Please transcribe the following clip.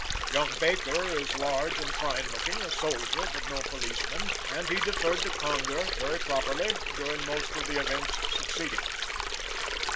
Young Baker is large and fine looking a soldier, but no policeman and he deferred to Conger, very properly, during most of the events succeeding.